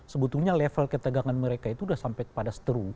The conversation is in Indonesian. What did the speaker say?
sebetulnya level ketegangan mereka itu sudah sampai pada seteru